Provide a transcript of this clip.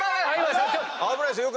危ないですよ。